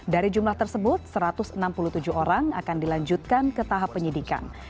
dari jumlah tersebut satu ratus enam puluh tujuh orang akan dilanjutkan ke tahap penyidikan